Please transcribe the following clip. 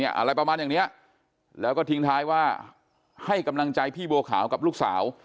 อะไรประมาณอย่างเนี้ยแล้วก็ทิ้งท้ายว่าให้กำลังใจพี่บัวขาวกับลูกสาว